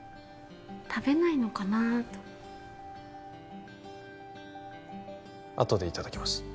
食べないのかなあとあとでいただきます